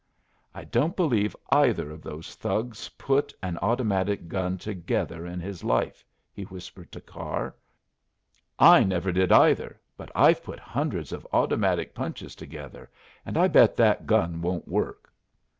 "I don't believe either of those thugs put an automatic gun together in his life," he whispered to Carr. "I never did, either, but I've put hundreds of automatic punches together, and I bet that gun won't work."